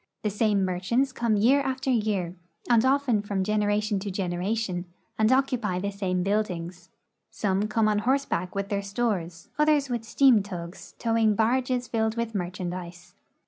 The same merchants come year after year, and often from gen eration to generation, and occupy the same buildings. Some come on horseback with their stores, others with steam tugs towing barges filled with merchandise.